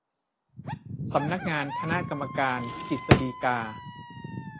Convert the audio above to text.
สำนักงานคณะกรรมการกฤษฎีกา